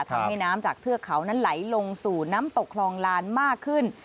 ทำให้น้ำจากเทือกเขานั้นไหลลงสู่น้ำตกคลองลานมากขึ้น